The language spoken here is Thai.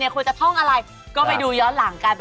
แม้เสียดายเวลาหมดลงแล้ว